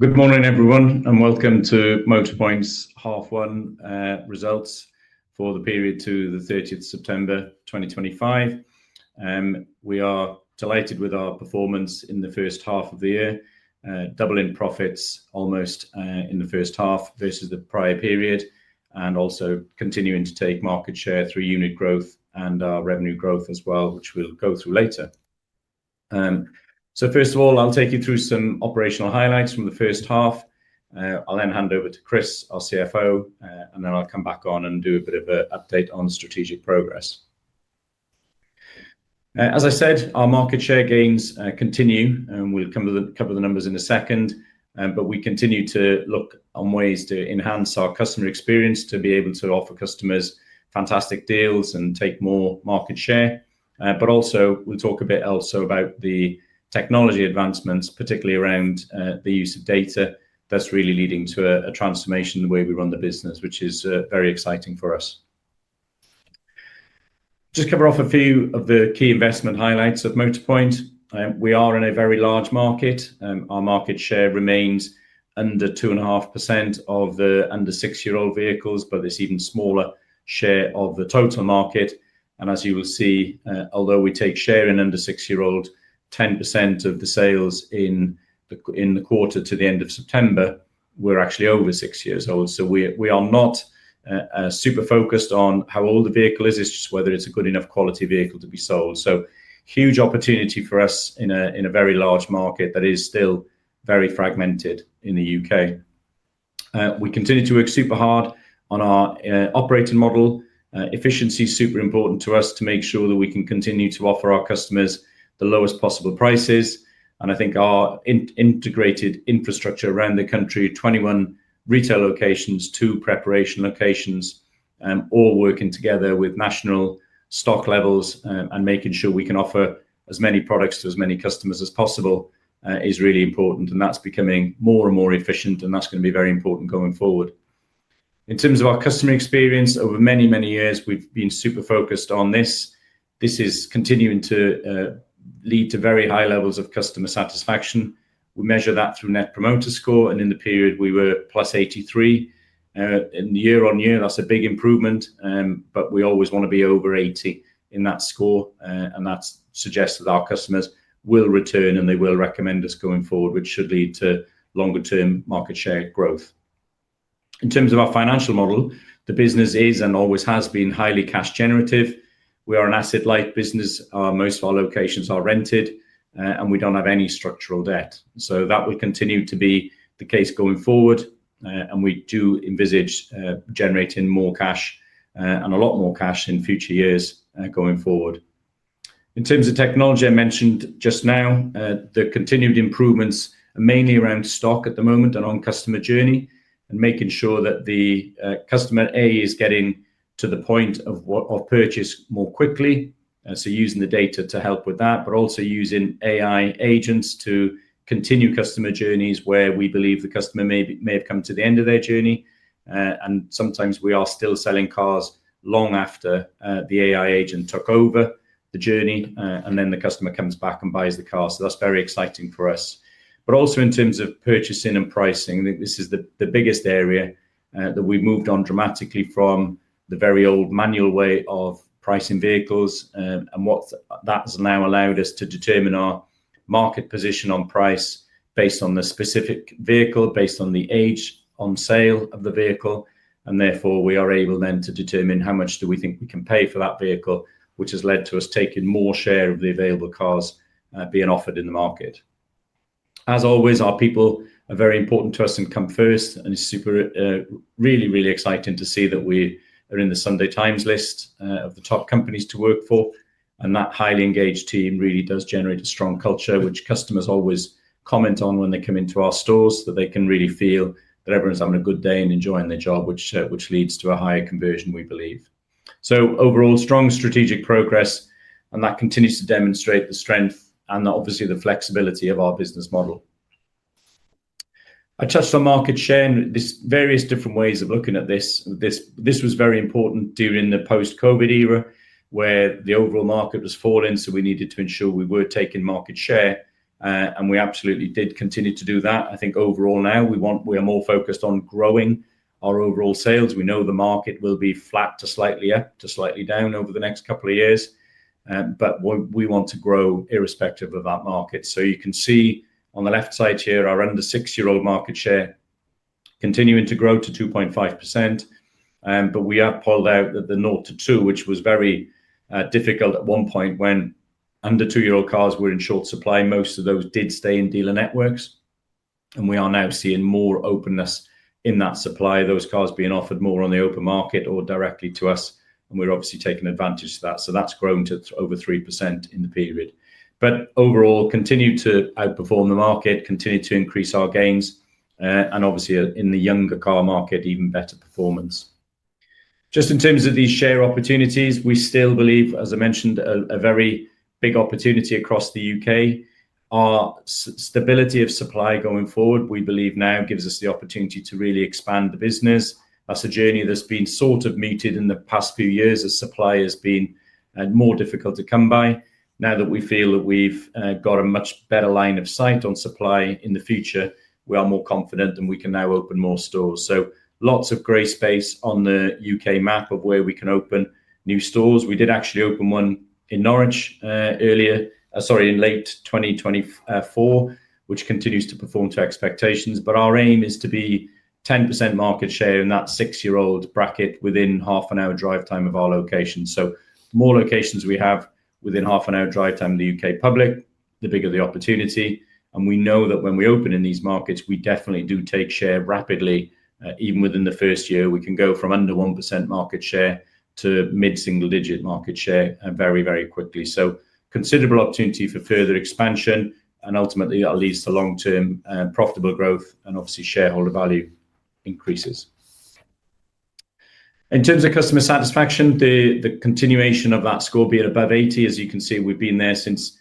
Good morning, everyone, and welcome to Motorpoint's half-one results for the period to the 30th of September 2025. We are delighted with our performance in the first half of the year, doubling profits almost in the first half versus the prior period, and also continuing to take market share through unit growth and our revenue growth as well, which we will go through later. First of all, I will take you through some operational highlights from the first half. I will then hand over to Chris, our CFO, and then I will come back on and do a bit of an update on strategic progress. As I said, our market share gains continue, and we will cover the numbers in a second, but we continue to look on ways to enhance our customer experience to be able to offer customers fantastic deals and take more market share. But also, we'll talk a bit also about the technology advancements, particularly around the use of data. That's really leading to a transformation in the way we run the business, which is very exciting for us. Just cover off a few of the key investment highlights of Motorpoint. We are in a very large market. Our market share remains under 2.5% of the under six-year-old vehicles, but it's even smaller share of the total market. As you will see, although we take share in under six-year-olds, 10% of the sales in the quarter to the end of September were actually over six years old. We are not super focused on how old the vehicle is, it's just whether it's a good enough quality vehicle to be sold. Huge opportunity for us in a very large market that is still very fragmented in the U.K. We continue to work super hard on our operating model. Efficiency is super important to us to make sure that we can continue to offer our customers the lowest possible prices. I think our integrated infrastructure around the country, 21 retail locations, two preparation locations, all working together with national stock levels and making sure we can offer as many products to as many customers as possible is really important. That is becoming more and more efficient, and that is going to be very important going forward. In terms of our customer experience over many, many years, we have been super focused on this. This is continuing to lead to very high levels of customer satisfaction. We measure that through Net Promoter Score, and in the period, we were +83. Year on year, that's a big improvement, but we always want to be over 80 in that score, and that suggests that our customers will return and they will recommend us going forward, which should lead to longer-term market share growth. In terms of our financial model, the business is and always has been highly cash generative. We are an asset-light business. Most of our locations are rented, and we do not have any structural debt. That will continue to be the case going forward, and we do envisage generating more cash and a lot more cash in future years going forward. In terms of technology I mentioned just now, the continued improvements are mainly around stock at the moment and on customer journey and making sure that the customer A is getting to the point of purchase more quickly. Using the data to help with that, but also using AI agents to continue customer journeys where we believe the customer may have come to the end of their journey. Sometimes we are still selling cars long after the AI agent took over the journey, and then the customer comes back and buys the car. That is very exciting for us. Also in terms of purchasing and pricing, I think this is the biggest area that we have moved on dramatically from the very old manual way of pricing vehicles. What that has now allowed us to do is determine our market position on price based on the specific vehicle, based on the age on sale of the vehicle. Therefore, we are able then to determine how much do we think we can pay for that vehicle, which has led to us taking more share of the available cars being offered in the market. As always, our people are very important to us and come first, and it is super, really, really exciting to see that we are in the Sunday Times list of the top companies to work for. That highly engaged team really does generate a strong culture, which customers always comment on when they come into our stores, that they can really feel that everyone's having a good day and enjoying their job, which leads to a higher conversion, we believe. Overall, strong strategic progress, and that continues to demonstrate the strength and obviously the flexibility of our business model. I touched on market share in various different ways of looking at this. This was very important during the post-COVID era where the overall market was falling, so we needed to ensure we were taking market share, and we absolutely did continue to do that. I think overall now we are more focused on growing our overall sales. We know the market will be flat to slightly up to slightly down over the next couple of years, but we want to grow irrespective of that market. You can see on the left side here our under six-year-old market share continuing to grow to 2.5%, but we have pulled out the 0-2, which was very difficult at one point when under two-year-old cars were in short supply. Most of those did stay in dealer networks, and we are now seeing more openness in that supply, those cars being offered more on the open market or directly to us, and we're obviously taking advantage of that. That has grown to over 3% in the period. Overall, continue to outperform the market, continue to increase our gains, and obviously in the younger car market, even better performance. Just in terms of these share opportunities, we still believe, as I mentioned, a very big opportunity across the U.K. Our stability of supply going forward, we believe now gives us the opportunity to really expand the business. That is a journey that has been sort of muted in the past few years as supply has been more difficult to come by. Now that we feel that we've got a much better line of sight on supply in the future, we are more confident that we can now open more stores. Lots of grey space on the U.K. map of where we can open new stores. We did actually open one in Norwich earlier, sorry, in late 2024, which continues to perform to expectations. Our aim is to be 10% market share in that six-year-old bracket within half an hour drive time of our location. The more locations we have within half an hour drive time in the U.K. public, the bigger the opportunity. We know that when we open in these markets, we definitely do take share rapidly. Even within the first year, we can go from under 1% market share to mid-single-digit market share very, very quickly. Considerable opportunity for further expansion, and ultimately that leads to long-term profitable growth and obviously shareholder value increases. In terms of customer satisfaction, the continuation of that score being above 80%, as you can see, we've been there since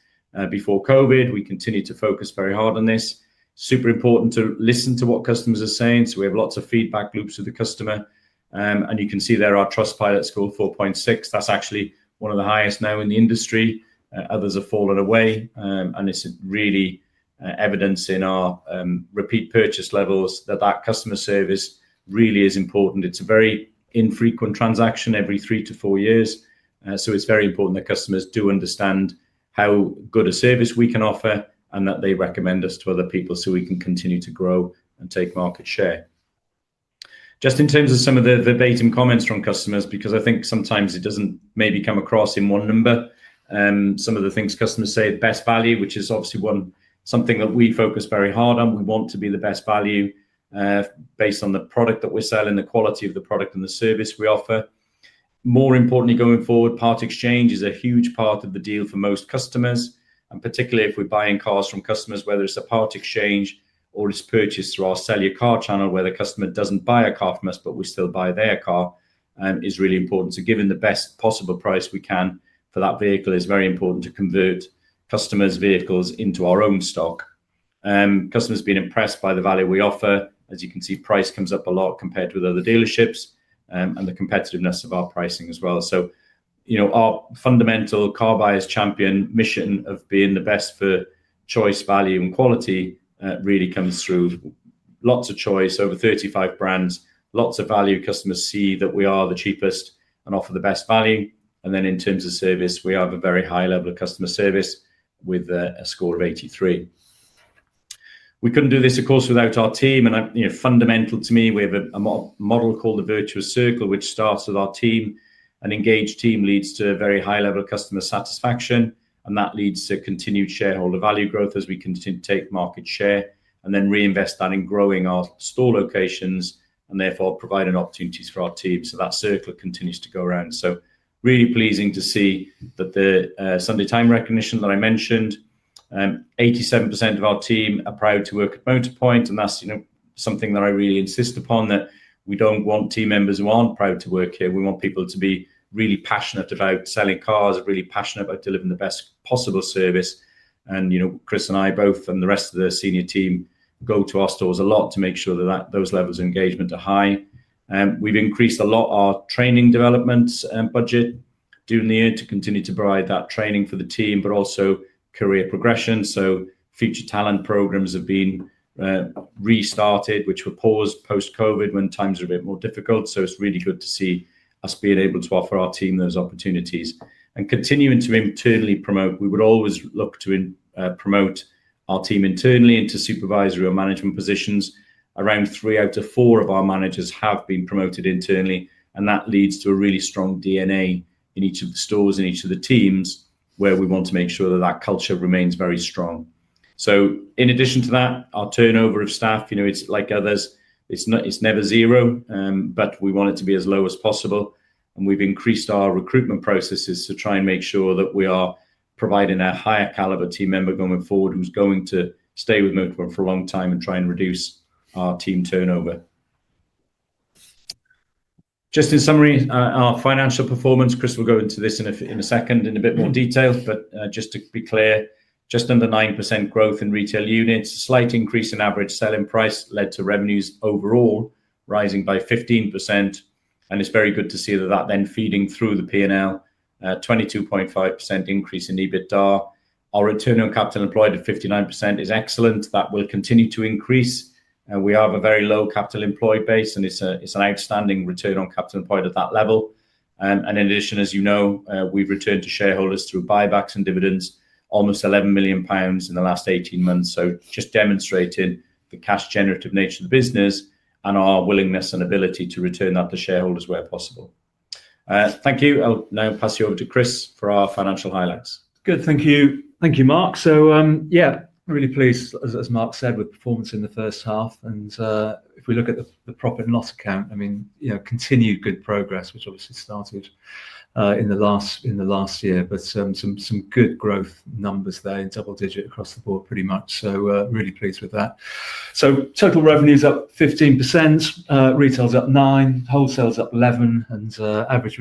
before COVID. We continue to focus very hard on this. Super important to listen to what customers are saying. We have lots of feedback loops with the customer. You can see there our Trustpilot score 4.6. That's actually one of the highest now in the industry. Others have fallen away, and it's really evidencing our repeat purchase levels that that customer service really is important. It's a very infrequent transaction every three to four years. It is very important that customers do understand how good a service we can offer and that they recommend us to other people so we can continue to grow and take market share. Just in terms of some of the verbatim comments from customers, because I think sometimes it does not maybe come across in one number, some of the things customers say, best value, which is obviously something that we focus very hard on. We want to be the best value based on the product that we are selling, the quality of the product and the service we offer. More importantly, going forward, part exchange is a huge part of the deal for most customers, and particularly if we're buying cars from customers, whether it's a part exchange or it's purchased through our sell your car channel, where the customer doesn't buy a car from us, but we still buy their car, is really important. Giving the best possible price we can for that vehicle is very important to convert customers' vehicles into our own stock. Customers have been impressed by the value we offer. As you can see, price comes up a lot compared with other dealerships and the competitiveness of our pricing as well. Our fundamental car buyer's champion mission of being the best for choice, value, and quality really comes through. Lots of choice, over 35 brands, lots of value. Customers see that we are the cheapest and offer the best value. In terms of service, we have a very high level of customer service with a score of 83. We could not do this, of course, without our team. Fundamental to me, we have a model called the Virtuous Circle, which starts with our team. An engaged team leads to a very high level of customer satisfaction, and that leads to continued shareholder value growth as we continue to take market share and then reinvest that in growing our store locations and therefore provide opportunities for our team. That Circle continues to go around. It is really pleasing to see that the Sunday Times recognition that I mentioned, 87% of our team are proud to work at Motorpoint, and that is something that I really insist upon that we do not want team members who are not proud to work here. We want people to be really passionate about selling cars, really passionate about delivering the best possible service. Chris and I both and the rest of the senior team go to our stores a lot to make sure that those levels of engagement are high. We have increased a lot our training development budget during the year to continue to provide that training for the team, but also career progression. Future talent programs have been restarted, which were paused post-COVID when times were a bit more difficult. It is really good to see us being able to offer our team those opportunities and continue to internally promote. We would always look to promote our team internally into supervisory or management positions. Around three out of four of our managers have been promoted internally, and that leads to a really strong DNA in each of the stores and each of the teams where we want to make sure that that culture remains very strong. In addition to that, our turnover of staff, it's like others. It's never zero, but we want it to be as low as possible. We've increased our recruitment processes to try and make sure that we are providing a higher caliber team member going forward who's going to stay with Motorpoint for a long time and try and reduce our team turnover. Just in summary, our financial performance, Chris will go into this in a second in a bit more detail, but just to be clear, just under 9% growth in retail units, a slight increase in average selling price led to revenues overall rising by 15%. It is very good to see that that then feeding through the P&L, 22.5% increase in EBITDA. Our return on capital employed of 59% is excellent. That will continue to increase. We have a very low capital employed base, and it is an outstanding return on capital employed at that level. In addition, as you know, we have returned to shareholders through buybacks and dividends, almost 11 million pounds in the last 18 months. Just demonstrating the cash generative nature of the business and our willingness and ability to return that to shareholders where possible. Thank you. I'll now pass you over to Chris for our financial highlights. Good. Thank you. Thank you, Mark. So yeah, really pleased, as Mark said, with performance in the first half. If we look at the profit and loss account, I mean, continued good progress, which obviously started in the last year, but some good growth numbers there in double digit across the board pretty much. Really pleased with that. Total revenues up 15%, retails up 9%, wholesales up 11%, and average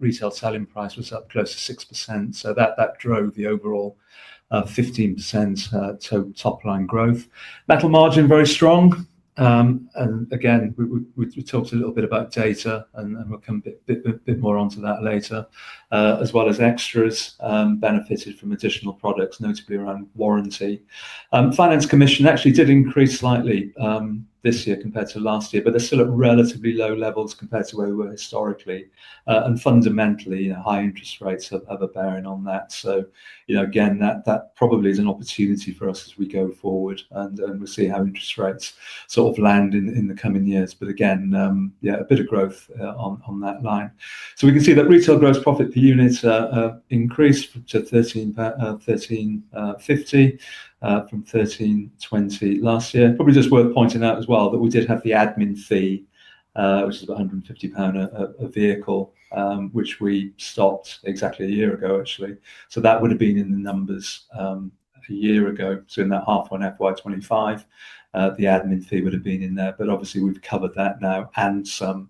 retail selling price was up close to 6%. That drove the overall 15% top line growth. Metal margin very strong. We talked a little bit about data and we'll come a bit more onto that later, as well as extras benefited from additional products, notably around warranty. Finance commission actually did increase slightly this year compared to last year, but they're still at relatively low levels compared to where we were historically. Fundamentally, high interest rates have a bearing on that. That probably is an opportunity for us as we go forward and we'll see how interest rates sort of land in the coming years. A bit of growth on that line. We can see that retail gross profit per unit increased to 13.50 from 13.20 last year. Probably just worth pointing out as well that we did have the admin fee, which is about 150 pound a vehicle, which we stopped exactly a year ago, actually. That would have been in the numbers a year ago. In that half on fiscal year 2025, the admin fee would have been in there. Obviously, we've covered that now and some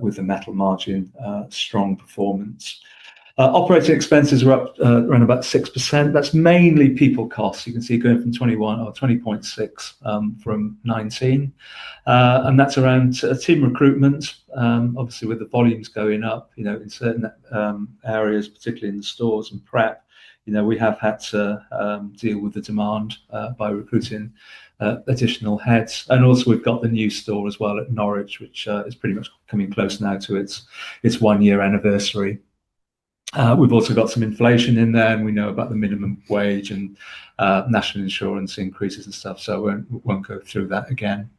with the metal margin strong performance. Operating expenses were up around about 6%. That's mainly people costs. You can see going from 21 million or 20.6 million from 19 million. And that's around team recruitment. Obviously, with the volumes going up in certain areas, particularly in the stores and prep, we have had to deal with the demand by recruiting additional heads. Also, we've got the new store as well at Norwich, which is pretty much coming close now to its one-year anniversary. We've also got some inflation in there, and we know about the minimum wage and national insurance increases and stuff. We won't go through that again.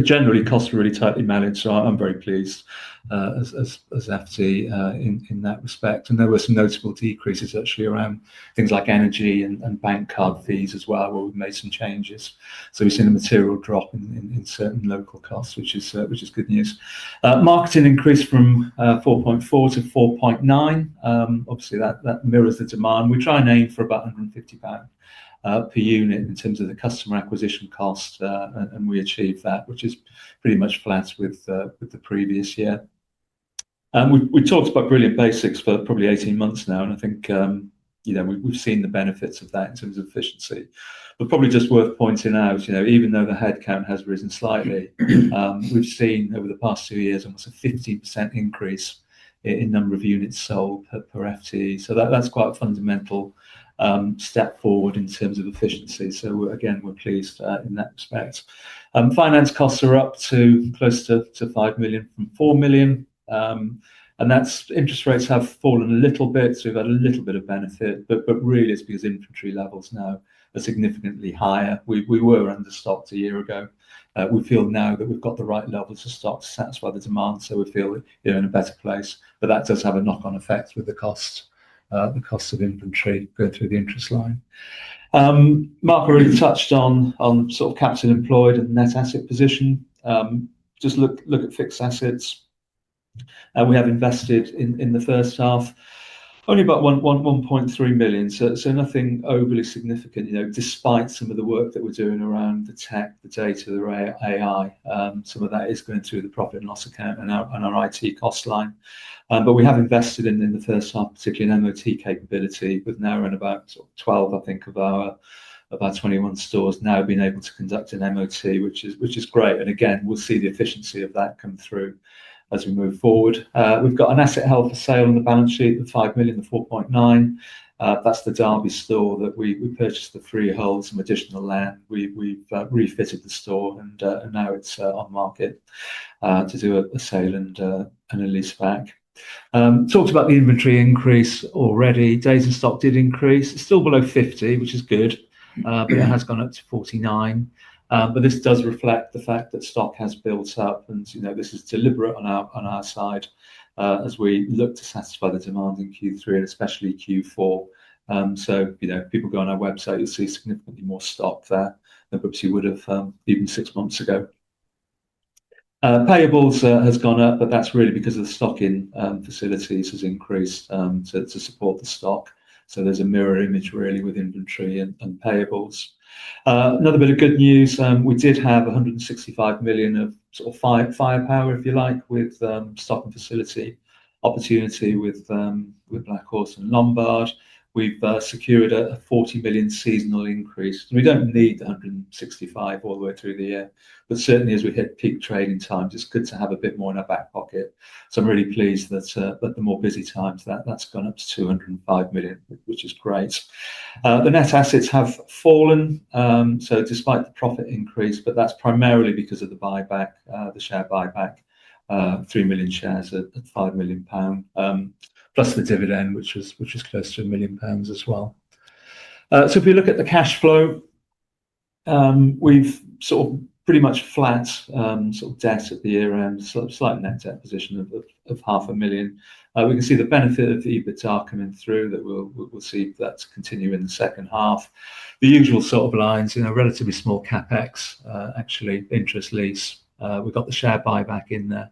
Generally, costs are really tightly managed, so I'm very pleased as CFO in that respect. There were some notable decreases actually around things like energy and bank card fees as well, where we've made some changes. We have seen a material drop in certain local costs, which is good news. Marketing increased from 4.4 to 4.9. Obviously, that mirrors the demand. We try and aim for about 150 pound per unit in terms of the customer acquisition cost, and we achieve that, which is pretty much flat with the previous year. We've talked about brilliant basics for probably 18 months now, and I think we've seen the benefits of that in terms of efficiency. Probably just worth pointing out, even though the headcount has risen slightly, we've seen over the past two years almost a 15% increase in number of units sold per FTE. That is quite a fundamental step forward in terms of efficiency. We are pleased in that respect. Finance costs are up to close to 5 million from 4 million. That is, interest rates have fallen a little bit, so we've had a little bit of benefit. Really, it is because inventory levels now are significantly higher. We were under stock a year ago. We feel now that we've got the right levels of stock to satisfy the demand. We feel we're in a better place. That does have a knock-on effect with the costs of inventory going through the interest line. Mark already touched on sort of capital employed and net asset position. Just look at fixed assets. We have invested in the first half only about 1.3 million. Nothing overly significant despite some of the work that we're doing around the tech, the data, the AI. Some of that is going through the profit and loss account and our IT cost line. We have invested in the first half, particularly in MOT capability, with now around about 12, I think, of our about 21 stores now being able to conduct an MOT, which is great. Again, we will see the efficiency of that come through as we move forward. We have got an asset held for sale on the balance sheet of 5 million, the 4.9 million. That is the Derby store that we purchased, the three halls and additional land. We have refitted the store, and now it is on market to do a sale and a lease back. Talked about the inventory increase already. Days in stock did increase. It is still below 50, which is good, but it has gone up to 49. This does reflect the fact that stock has built up, and this is deliberate on our side as we look to satisfy the demand in Q3 and especially Q4. People go on our website, you'll see significantly more stock there than perhaps you would have even six months ago. Payables has gone up, but that's really because the stocking facilities has increased to support the stock. There's a mirror image really with inventory and payables. Another bit of good news. We did have 165 million of sort of firepower, if you like, with stock and facility opportunity with Black Horse and Lombard. We've secured a 40 million seasonal increase. We don't need 165 million all the way through the year, but certainly as we hit peak trading times, it's good to have a bit more in our back pocket. I'm really pleased that the more busy times, that's gone up to 205 million, which is great. The net assets have fallen, so despite the profit increase, but that's primarily because of the buyback, the share buyback, 3 million shares at 5 million pound, plus the dividend, which is close to 1 million pounds as well. If we look at the cash flow, we've sort of pretty much flat sort of debt at the year-end, slight net debt position of 500,000. We can see the benefit of EBITDA coming through that we'll see that continue in the second half. The usual sort of lines, relatively small CapEx, actually interest lease. We've got the share buyback in there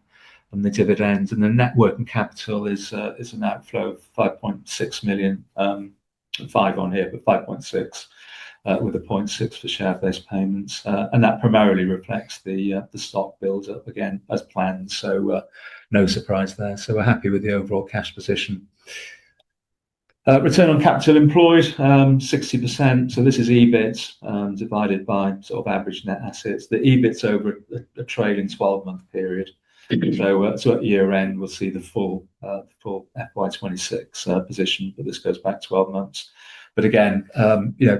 and the dividends. The net working capital is an outflow of 5.6 million. Five on here, but 5.6 million with a 0.6 for share-based payments. That primarily reflects the stock build-up again as planned. No surprise there. We're happy with the overall cash position. Return on capital employed, 60%. This is EBIT divided by sort of average net assets. The EBIT's over a trailing 12-month period. At year-end, we'll see the full FY 2026 position, but this goes back 12 months. Again,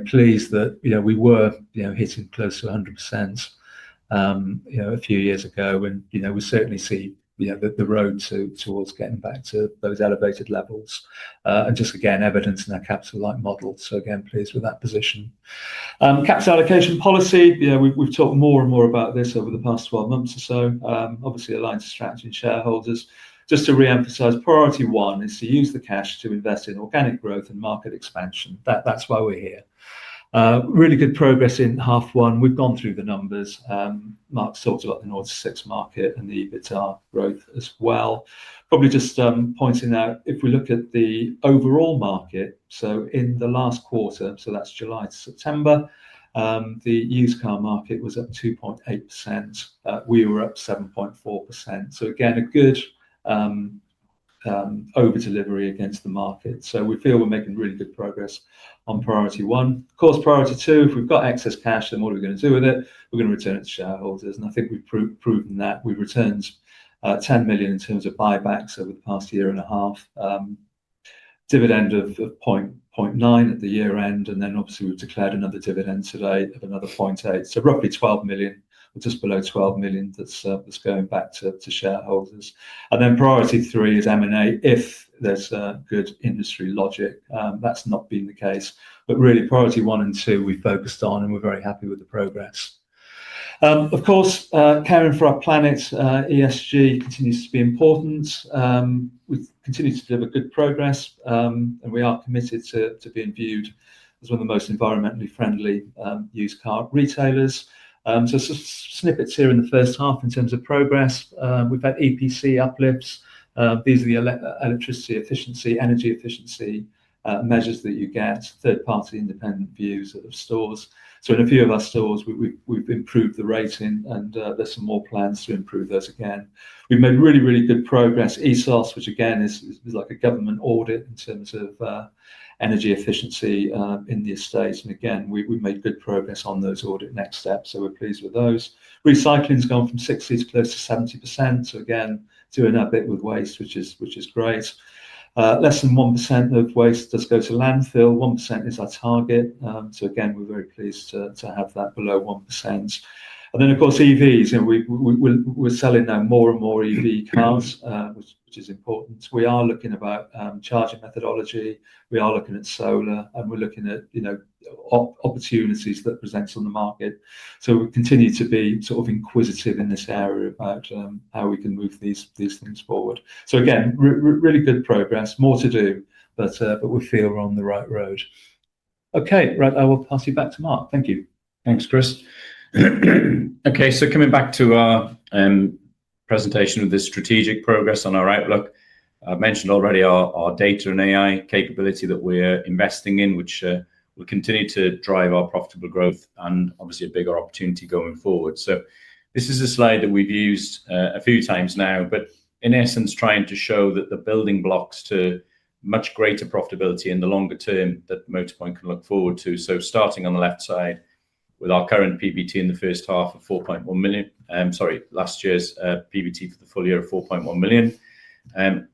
pleased that we were hitting close to 100% a few years ago. We certainly see the road towards getting back to those elevated levels. Just again, evidence in our capital-light model. Again, pleased with that position. Capital allocation policy. We've talked more and more about this over the past 12 months or so. Obviously, aligned to strategy and shareholders. Just to reemphasize, priority one is to use the cash to invest in organic growth and market expansion. That's why we're here. Really good progress in half one. We've gone through the numbers. Mark's talked about the Nordic Six market and the EBITDA growth as well. Probably just pointing out, if we look at the overall market, in the last quarter, so that is July to September, the used car market was up 2.8%. We were up 7.4%. Again, a good over-delivery against the market. We feel we are making really good progress on priority one. Of course, priority two, if we have got excess cash, then what are we going to do with it? We are going to return it to shareholders. I think we have proven that. We have returned 10 million in terms of buybacks over the past year and a half. Dividend of 0.9 million at the year-end. Obviously, we have declared another dividend today of another 0.8 million. Roughly 12 million, just below 12 million, that is going back to shareholders. Priority three is M&A if there is good industry logic. That has not been the case. Really, priority one and two, we focused on, and we're very happy with the progress. Of course, caring for our planet, ESG continues to be important. We continue to deliver good progress, and we are committed to being viewed as one of the most environmentally friendly used car retailers. Snippets here in the first half in terms of progress. We've had EPC uplifts. These are the electricity efficiency, energy efficiency measures that you get, third-party independent views of stores. In a few of our stores, we've improved the rating, and there's some more plans to improve those again. We've made really, really good progress. ESOS, which again is like a government audit in terms of energy efficiency in the estates. Again, we've made good progress on those audit next steps. We're pleased with those. Recycling has gone from 60% to close to 70%. Again, doing our bit with waste, which is great. Less than 1% of waste does go to landfill. 1% is our target. Again, we're very pleased to have that below 1%. Of course, EVs. We're selling now more and more EV cars, which is important. We are looking about charging methodology. We are looking at solar, and we're looking at opportunities that present on the market. We continue to be sort of inquisitive in this area about how we can move these things forward. Again, really good progress. More to do, but we feel we're on the right road. Okay. Right. I will pass you back to Mark. Thank you. Thanks, Chris. Okay. Coming back to our presentation of the strategic progress on our outlook, I mentioned already our data and AI capability that we're investing in, which will continue to drive our profitable growth and obviously a bigger opportunity going forward. This is a slide that we've used a few times now, but in essence, trying to show that the building blocks to much greater profitability in the longer term that Motorpoint can look forward to. Starting on the left side with our current PBT in the first half of 4.1 million. Sorry, last year's PBT for the full year of 4.1 million.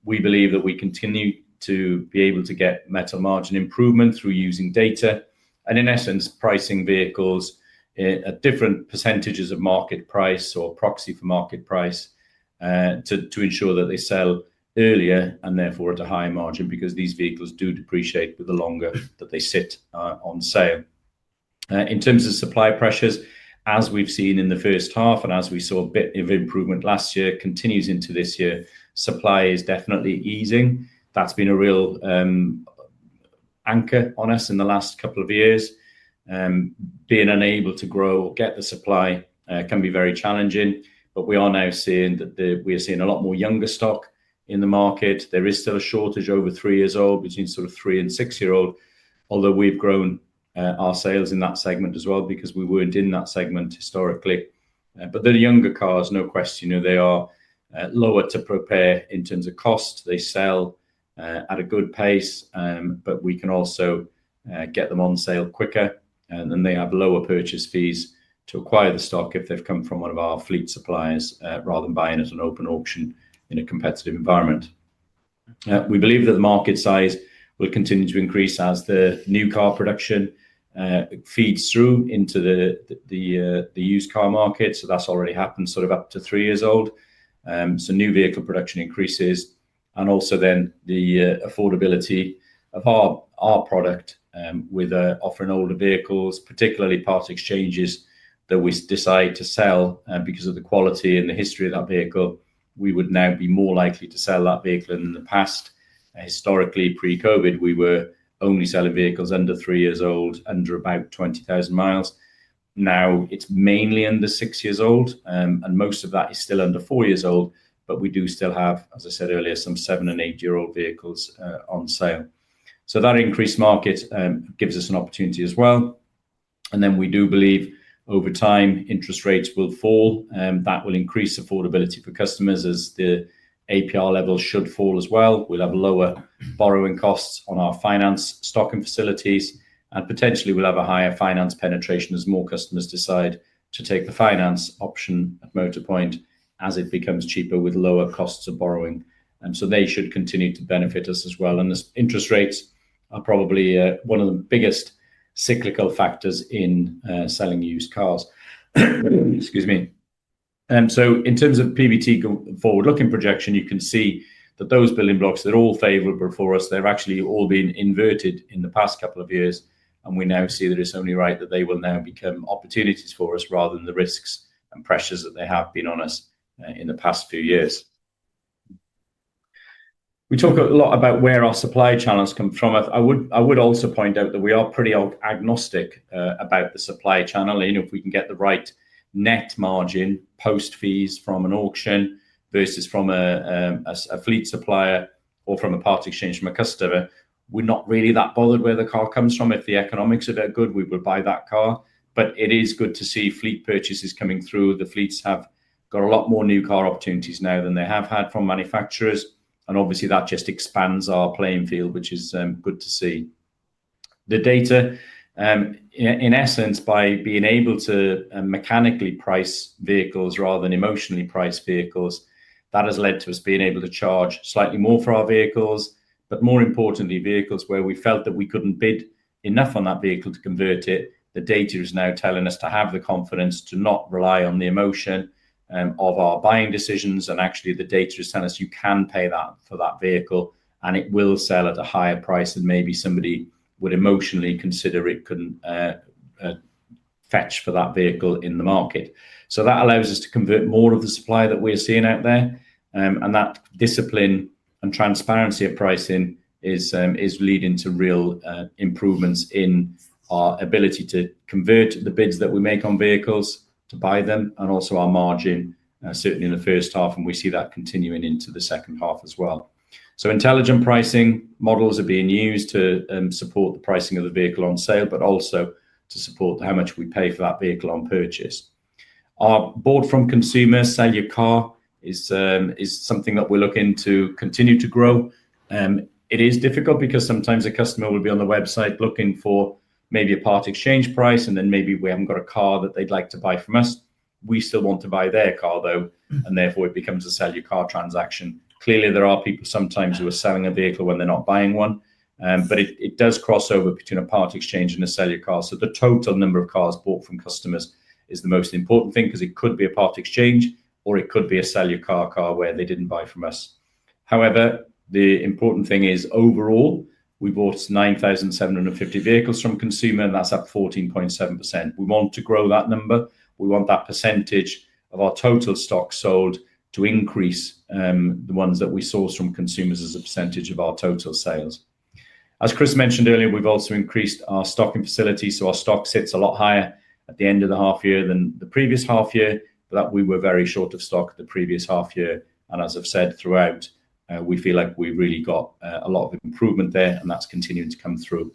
We believe that we continue to be able to get metal margin improvement through using data and, in essence, pricing vehicles at different percentage of market price or proxy for market price to ensure that they sell earlier and therefore at a higher margin because these vehicles do depreciate with the longer that they sit on sale. In terms of supply pressures, as we have seen in the first half and as we saw a bit of improvement last year continues into this year, supply is definitely easing. That has been a real anchor on us in the last couple of years. Being unable to grow or get the supply can be very challenging. We are now seeing that we are seeing a lot more younger stock in the market. There is still a shortage over three years old between sort of three- and six-year-old, although we've grown our sales in that segment as well because we weren't in that segment historically. The younger cars, no question, they are lower to prepare in terms of cost. They sell at a good pace, but we can also get them on sale quicker. They have lower purchase fees to acquire the stock if they've come from one of our fleet suppliers rather than buying it at an open auction in a competitive environment. We believe that the market size will continue to increase as the new car production feeds through into the used car market. That has already happened sort of up to three years old. New vehicle production increases. Also, the affordability of our product with offering older vehicles, particularly part exchanges that we decide to sell because of the quality and the history of that vehicle, we would now be more likely to sell that vehicle than in the past. Historically, pre-COVID, we were only selling vehicles under three years old, under about 20,000 mi. Now it is mainly under six years old, and most of that is still under four years old. We do still have, as I said earlier, some seven and eight-year-old vehicles on sale. That increased market gives us an opportunity as well. We do believe over time, interest rates will fall. That will increase affordability for customers as the APR level should fall as well. We'll have lower borrowing costs on our finance stock and facilities, and potentially we'll have a higher finance penetration as more customers decide to take the finance option at Motorpoint as it becomes cheaper with lower costs of borrowing. They should continue to benefit us as well. Interest rates are probably one of the biggest cyclical factors in selling used cars. Excuse me. In terms of PBT forward-looking projection, you can see that those building blocks, they're all favorable for us. They've actually all been inverted in the past couple of years. We now see that it's only right that they will now become opportunities for us rather than the risks and pressures that they have been on us in the past few years. We talk a lot about where our supply channels come from. I would also point out that we are pretty agnostic about the supply channel. If we can get the right net margin post-fees from an auction versus from a fleet supplier or from a part exchange from a customer, we're not really that bothered where the car comes from. If the economics are that good, we would buy that car. It is good to see fleet purchases coming through. The fleets have got a lot more new car opportunities now than they have had from manufacturers. Obviously, that just expands our playing field, which is good to see. The data, in essence, by being able to mechanically price vehicles rather than emotionally price vehicles, that has led to us being able to charge slightly more for our vehicles. More importantly, vehicles where we felt that we could not bid enough on that vehicle to convert it, the data is now telling us to have the confidence to not rely on the emotion of our buying decisions. Actually, the data is telling us you can pay that for that vehicle, and it will sell at a higher price than maybe somebody would emotionally consider it could not fetch for that vehicle in the market. That allows us to convert more of the supply that we are seeing out there. That discipline and transparency of pricing is leading to real improvements in our ability to convert the bids that we make on vehicles to buy them and also our margin, certainly in the first half. We see that continuing into the second half as well. Intelligent pricing models are being used to support the pricing of the vehicle on sale, but also to support how much we pay for that vehicle on purchase. Our board from consumer sell your car is something that we're looking to continue to grow. It is difficult because sometimes a customer will be on the website looking for maybe a part exchange price, and then maybe we have not got a car that they would like to buy from us. We still want to buy their car, though, and therefore it becomes a sell your car transaction. Clearly, there are people sometimes who are selling a vehicle when they are not buying one, but it does cross over between a part exchange and a sell your car. The total number of cars bought from customers is the most important thing because it could be a part exchange or it could be a sell your car car where they did not buy from us. However, the important thing is overall, we bought 9,750 vehicles from consumers, and that is up 14.7%. We want to grow that number. We want that percentage of our total stock sold to increase, the ones that we source from consumers as a percentage of our total sales. As Chris mentioned earlier, we have also increased our stocking facility. Our stock sits a lot higher at the end of the half year than the previous half year, but we were very short of stock the previous half year. As I have said throughout, we feel like we have really got a lot of improvement there, and that is continuing to come through.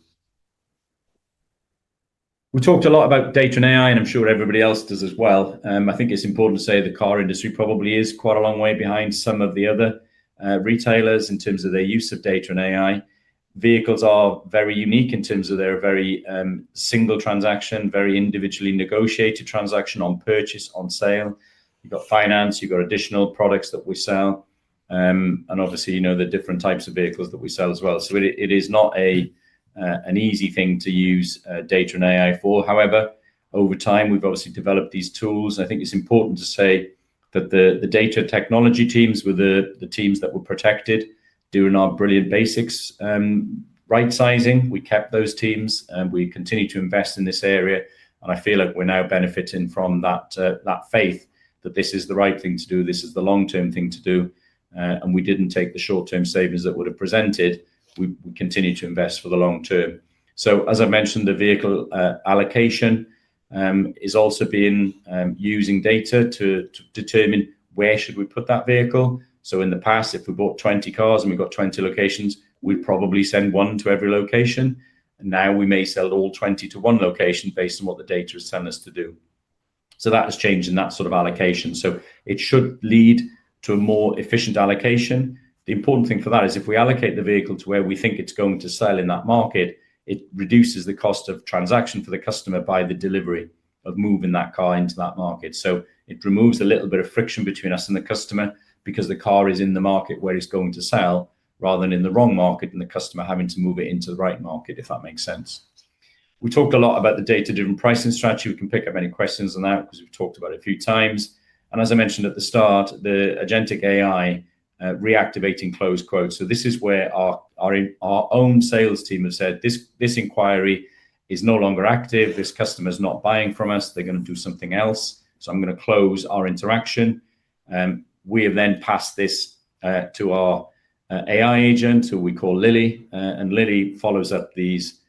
We talked a lot about data and AI, and I'm sure everybody else does as well. I think it's important to say the car industry probably is quite a long way behind some of the other retailers in terms of their use of data and AI. Vehicles are very unique in terms of their very single transaction, very individually negotiated transaction on purchase, on sale. You've got finance, you've got additional products that we sell. Obviously, the different types of vehicles that we sell as well. It is not an easy thing to use data and AI for. However, over time, we've obviously developed these tools. I think it's important to say that the data technology teams were the teams that were protected during our brilliant basics right-sizing. We kept those teams, and we continue to invest in this area. I feel like we're now benefiting from that faith that this is the right thing to do. This is the long-term thing to do. We didn't take the short-term savings that would have presented. We continue to invest for the long term. As I mentioned, the vehicle allocation is also being used in data to determine where should we put that vehicle. In the past, if we bought 20 cars and we got 20 locations, we'd probably send one to every location. Now we may sell all 20 to one location based on what the data is telling us to do. That has changed in that sort of allocation. It should lead to a more efficient allocation. The important thing for that is if we allocate the vehicle to where we think it's going to sell in that market, it reduces the cost of transaction for the customer by the delivery of moving that car into that market. It removes a little bit of friction between us and the customer because the car is in the market where it's going to sell rather than in the wrong market and the customer having to move it into the right market, if that makes sense. We talked a lot about the data-driven pricing strategy. We can pick up any questions on that because we've talked about it a few times. As I mentioned at the start, the agentic AI reactivating, close quote. This is where our own sales team have said, "This inquiry is no longer active. This customer is not buying from us. They're going to do something else. I'm going to close our interaction." We have then passed this to our AI agent, who we call Lily. Lily follows up these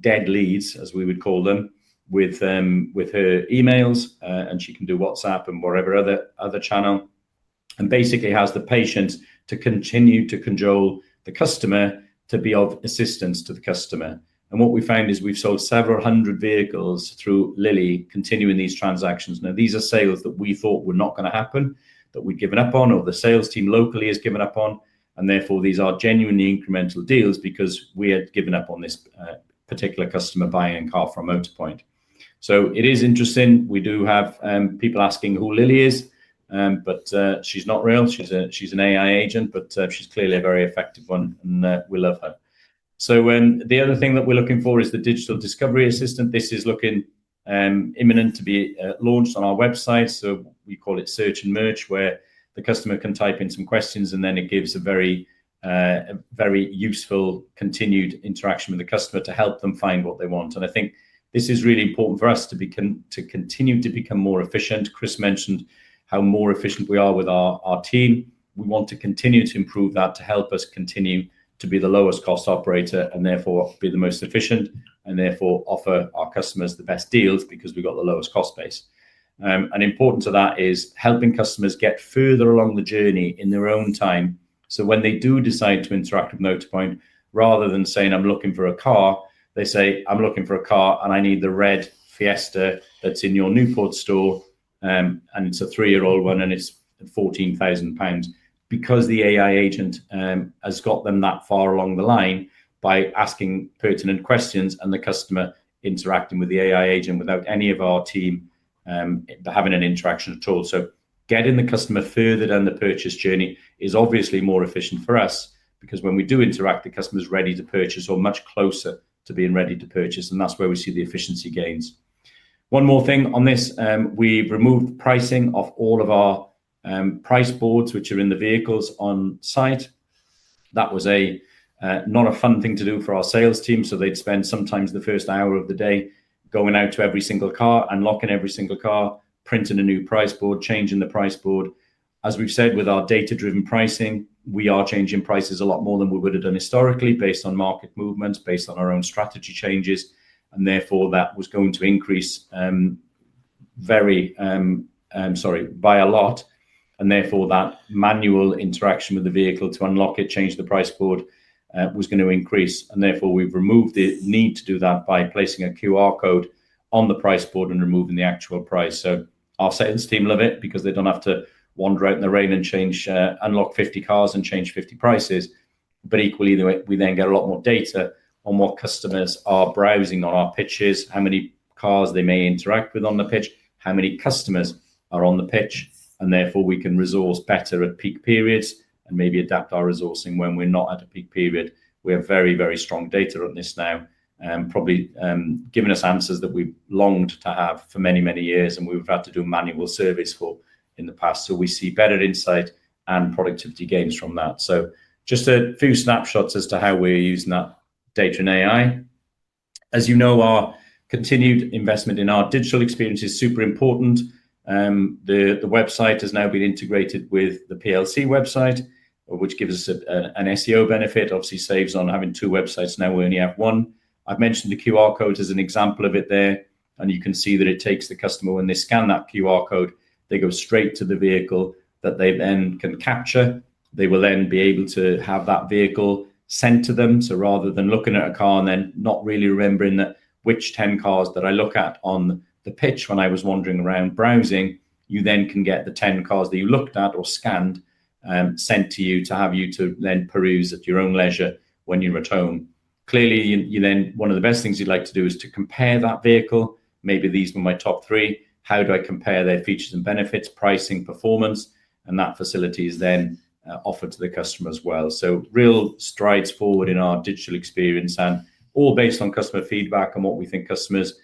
dead leads, as we would call them, with her emails. She can do WhatsApp and whatever other channel and basically has the patience to continue to cajole the customer, to be of assistance to the customer. What we found is we've sold several hundred vehicles through Lily continuing these transactions. These are sales that we thought were not going to happen, that we'd given up on, or the sales team locally has given up on. Therefore, these are genuinely incremental deals because we had given up on this particular customer buying a car from Motorpoint. It is interesting. We do have people asking who Lily is, but she's not real. She's an AI agent, but she's clearly a very effective one, and we love her. The other thing that we're looking for is the digital discovery assistant. This is looking imminent to be launched on our website. We call it search and merge, where the customer can type in some questions, and then it gives a very useful continued interaction with the customer to help them find what they want. I think this is really important for us to continue to become more efficient. Chris mentioned how more efficient we are with our team. We want to continue to improve that to help us continue to be the lowest cost operator and therefore be the most efficient and therefore offer our customers the best deals because we've got the lowest cost base. Important to that is helping customers get further along the journey in their own time. When they do decide to interact with Motorpoint, rather than saying, "I'm looking for a car," they say, "I'm looking for a car, and I need the red Fiesta that's in your Newport store." It is a three-year-old one, and it is 14,000 pounds because the AI agent has got them that far along the line by asking pertinent questions and the customer interacting with the AI agent without any of our team having an interaction at all. Getting the customer further down the purchase journey is obviously more efficient for us because when we do interact, the customer is ready to purchase or much closer to being ready to purchase. That is where we see the efficiency gains. One more thing on this. We've removed pricing off all of our price boards, which are in the vehicles on site. That was not a fun thing to do for our sales team. They'd spend sometimes the first hour of the day going out to every single car, unlocking every single car, printing a new price board, changing the price board. As we've said, with our data-driven pricing, we are changing prices a lot more than we would have done historically based on market movements, based on our own strategy changes. Therefore, that was going to increase very—sorry—by a lot. Therefore, that manual interaction with the vehicle to unlock it, change the price board was going to increase. Therefore, we've removed the need to do that by placing a QR code on the price board and removing the actual price. Our sales team love it because they do not have to wander out in the rain and unlock 50 cars and change 50 prices. Equally, we then get a lot more data on what customers are browsing on our pitches, how many cars they may interact with on the pitch, how many customers are on the pitch. Therefore, we can resource better at peak periods and maybe adapt our resourcing when we are not at a peak period. We have very, very strong data on this now and it has probably given us answers that we have longed to have for many, many years, and we have had to do manual service for in the past. We see better insight and productivity gains from that. Just a few snapshots as to how we are using that data and AI. As you know, our continued investment in our digital experience is super important. The website has now been integrated with the PLC website, which gives us an SEO benefit. Obviously, saves on having two websites. Now we only have one. I've mentioned the QR code as an example of it there. You can see that it takes the customer when they scan that QR code, they go straight to the vehicle that they then can capture. They will then be able to have that vehicle sent to them. Rather than looking at a car and then not really remembering which 10 cars that I look at on the pitch when I was wandering around browsing, you then can get the 10 cars that you looked at or scanned sent to you to have you to then peruse at your own leisure when you're at home. Clearly, one of the best things you'd like to do is to compare that vehicle. Maybe these were my top three. How do I compare their features and benefits, pricing, performance? That facility is then offered to the customer as well. Real strides forward in our digital experience and all based on customer feedback and what we think customers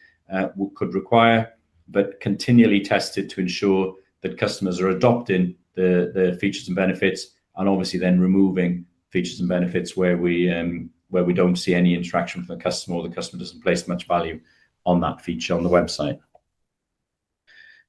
could require, but continually tested to ensure that customers are adopting the features and benefits and obviously then removing features and benefits where we do not see any interaction from the customer or the customer does not place much value on that feature on the website.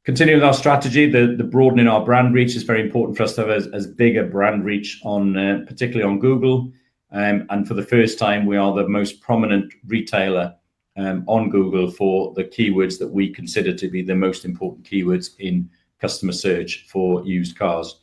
Continuing with our strategy, the broadening of our brand reach is very important for us to have as big a brand reach, particularly on Google. For the first time, we are the most prominent retailer on Google for the keywords that we consider to be the most important keywords in customer search for used cars.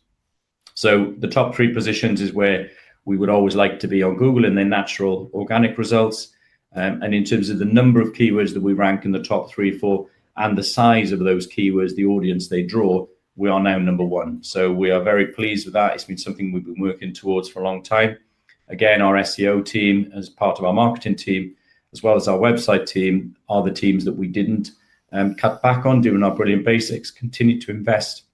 The top three positions is where we would always like to be on Google in their natural organic results. In terms of the number of keywords that we rank in the top three or four and the size of those keywords, the audience they draw, we are now number one. We are very pleased with that. It has been something we have been working towards for a long time. Our SEO team as part of our marketing team, as well as our website team, are the teams that we did not cut back on during our brilliant basics, continue to invest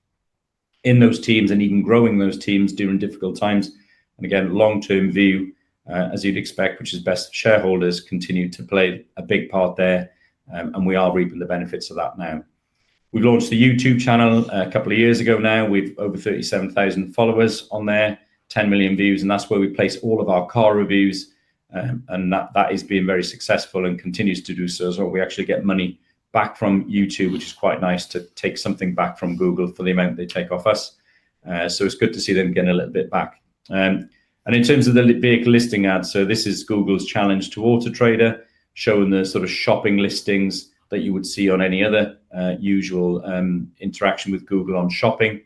in those teams and even growing those teams during difficult times. Long-term view, as you would expect, which is best shareholders continue to play a big part there. We are reaping the benefits of that now. We've launched a YouTube channel a couple of years ago now. We've over 37,000 followers on there, 10 million views. That is where we place all of our car reviews. That has been very successful and continues to do so. We actually get money back from YouTube, which is quite nice to take something back from Google for the amount they take off us. It's good to see us getting a little bit back. In terms of the vehicle listing ads, this is Google's challenge to Autotrader, showing the sort of shopping listings that you would see on any other usual interaction with Google on shopping,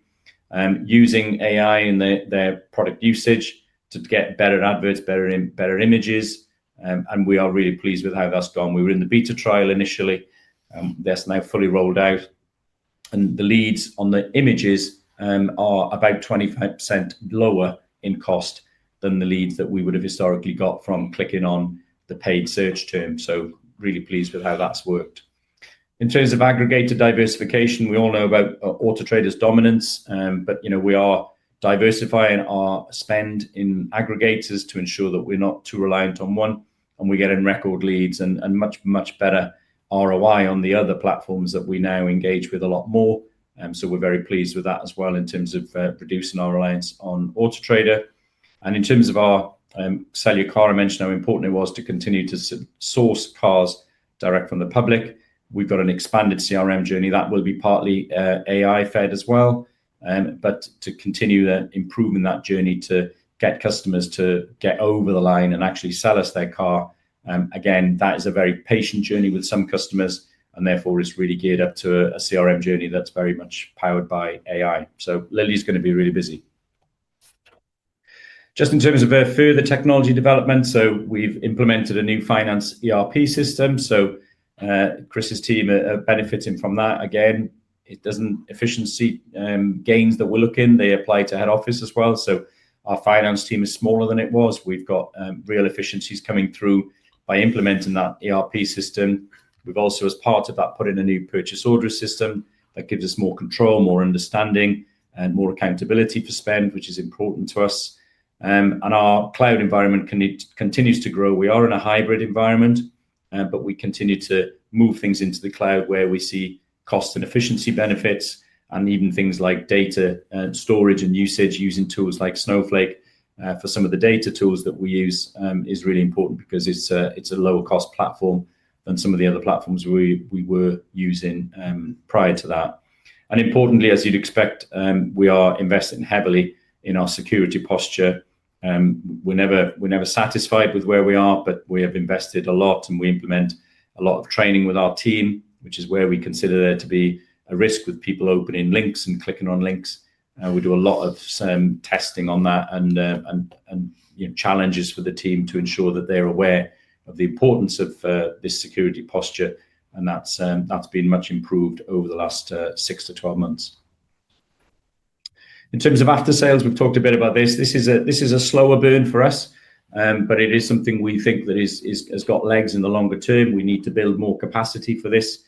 using AI in their product usage to get better adverts, better images. We are really pleased with how that's gone. We were in the beta trial initially. That's now fully rolled out. The leads on the images are about 25% lower in cost than the leads that we would have historically got from clicking on the paid search term. Really pleased with how that's worked. In terms of aggregator diversification, we all know about Autotrader's dominance, but we are diversifying our spend in aggregators to ensure that we're not too reliant on one. We're getting record leads and much, much better ROI on the other platforms that we now engage with a lot more. Very pleased with that as well in terms of reducing our reliance on Autotrader. In terms of our sell your car, I mentioned how important it was to continue to source cars direct from the public. We've got an expanded CRM journey. That will be partly AI-fed as well. To continue improving that journey to get customers to get over the line and actually sell us their car, again, that is a very patient journey with some customers. Therefore, it is really geared up to a CRM journey that is very much powered by AI. Lily is going to be really busy. Just in terms of further technology development, we have implemented a new finance ERP system. Chris's team are benefiting from that. Again, it is efficiency gains that we are looking for. They apply to head office as well. Our finance team is smaller than it was. We have got real efficiencies coming through by implementing that ERP system. We have also, as part of that, put in a new purchase order system that gives us more control, more understanding, and more accountability for spend, which is important to us. Our cloud environment continues to grow. We are in a hybrid environment, but we continue to move things into the cloud where we see cost and efficiency benefits. Even things like data storage and usage using tools like Snowflake for some of the data tools that we use is really important because it's a lower-cost platform than some of the other platforms we were using prior to that. Importantly, as you'd expect, we are investing heavily in our security posture. We're never satisfied with where we are, but we have invested a lot, and we implement a lot of training with our team, which is where we consider there to be a risk with people opening links and clicking on links. We do a lot of testing on that and challenges for the team to ensure that they're aware of the importance of this security posture. That has been much improved over the last six to twelve months. In terms of after-sales, we have talked a bit about this. This is a slower burn for us, but it is something we think that has got legs in the longer term. We need to build more capacity for this